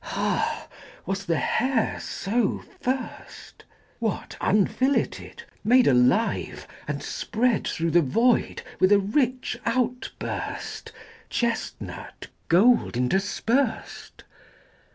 XXII. Ha! was the hair so first? What, unfilleted, Made alive, and spread Through the void with a rich outburst, Chestnut gold interspersed?